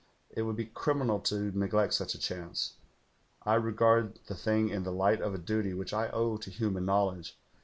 It would be criminal to neglect such a chance. I regard the thing in the light of a duty which I owe to human knowledge.